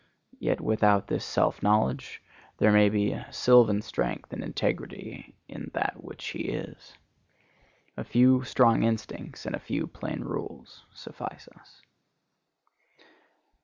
Yet without this self knowledge there may be a sylvan strength and integrity in that which he is. "A few strong instincts and a few plain rules" suffice us.